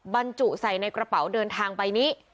บรรจุใส่ในกระเป๋าเดินทางใบนี้